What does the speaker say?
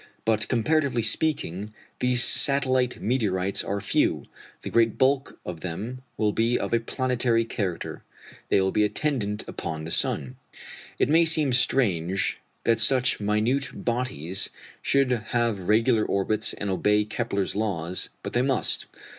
But, comparatively speaking, these satellite meteorites are few. The great bulk of them will be of a planetary character they will be attendant upon the sun. It may seem strange that such minute bodies should have regular orbits and obey Kepler's laws, but they must.